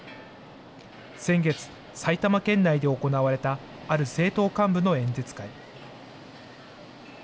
先月、埼玉県内で行われたある政党幹部の演説会。